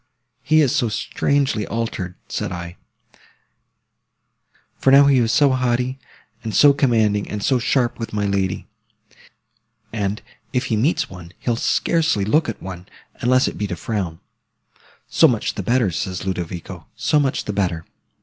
He is so strangely altered, said I: for now he is so haughty, and so commanding, and so sharp with my lady; and, if he meets one, he'll scarcely look at one, unless it be to frown. So much the better, says Ludovico, so much the better.